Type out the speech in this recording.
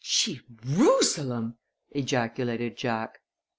"Gee rusalem!" ejaculated Jack.